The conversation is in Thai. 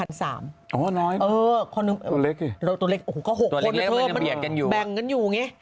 อ๋อน้อยตัวเล็กเนี่ยมันแบ่งกันอยู่ไงตัวเล็กมันแบ่งกันอยู่